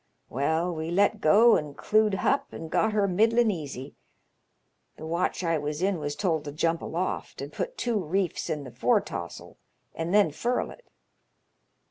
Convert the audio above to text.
Well, we let go and clewed hup and got her middlin' easy. The watch I was in was told to jump aloft and put two reefs in the foretaws'l, and then furl it.